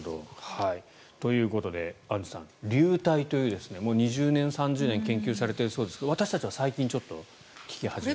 ということでアンジュさん、流体という２０年、３０年研究されているそうですが私たちは最近聞き始めました。